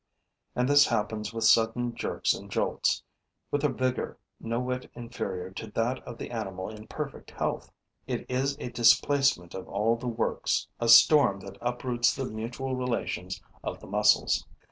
And this happens with sudden jerks and jolts, with a vigor no whit inferior to that of the animal in perfect health. It is a displacement of all the works, a storm that uproots the mutual relations of the muscles.